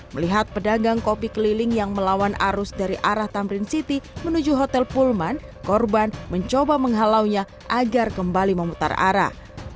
melihat pedagang kopi keliling yang melawan arus dari arah tamrin city menuju hotel pulman korban mencoba menghalaunya agar kembali memutar arah